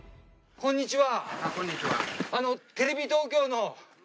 こんにちは。